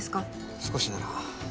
少しなら。